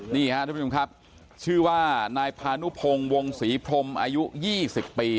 นี่ครับทุกความชื่อว่านายพาหนุพงศ์วงศรีพรมอายุยี่สิบปี